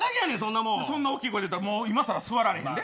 そんな大きい声で言ったら今更、座られへん。